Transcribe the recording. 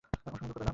শুনে দুঃখ পেলাম।